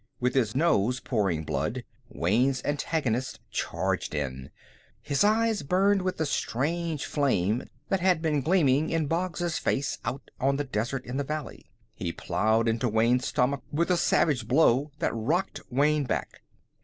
With his nose pouring blood, Wayne's antagonist charged in. His eyes burned with the strange flame that had been gleaming in Boggs's face out on the desert in the valley. He ploughed into Wayne's stomach with a savage blow that rocked Wayne back.